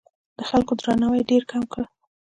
د خلکو درناوی ډېر کم کړ.